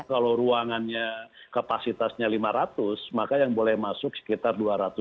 kalau ruangannya kapasitasnya lima ratus maka yang boleh masuk sekitar dua ratus